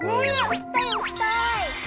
置きたい置きたい。